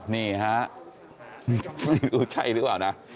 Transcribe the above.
นี่ฮะไม่รู้ใช่หรือเปล่านะ